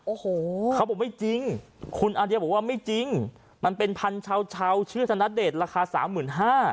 โอ้โหเขาบอกไม่จริงคุณอันเดียวบอกว่าไม่จริงมันเป็นพันชาวชื่อธนเดชราคาสามหมื่นห้า